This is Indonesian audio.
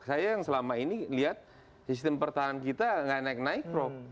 saya yang selama ini lihat sistem pertahanan kita nggak naik naik prof